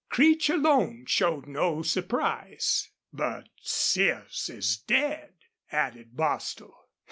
Creech alone showed no surprise. "But Sears is dead," added Bostil.